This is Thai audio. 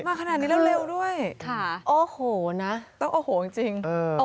มาขนาดนี้เร็วด้วยโอ้โหนะต้องโอ้โหจริง